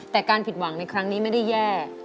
แต่การผิดหวังในครั้งนี้ไม่ได้แย่